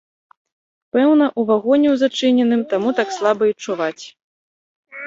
Пэўна, у вагоне ў зачыненым, таму так слаба й чуваць.